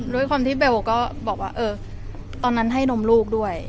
ด้วยความที่เบลตอนนั้นให้นมลูกด้วย